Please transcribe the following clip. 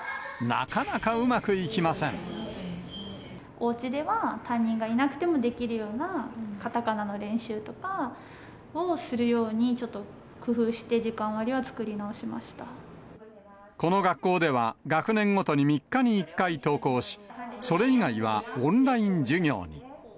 おうちでは、担任がいなくてもできるような、かたかなの練習とかをするように、ちょっと工夫して、この学校では、学年ごとに３日に１回登校し、それ以外はオンライン授業に。